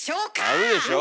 あるでしょ？